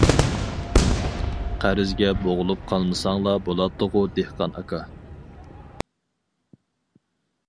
قەرزگە بوغۇلۇپ قالمىساڭلا بولاتتىغۇ دېھقان ئاكا.